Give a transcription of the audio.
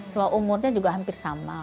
soal umurnya juga hampir sama